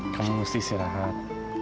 kamu mesti sih rahat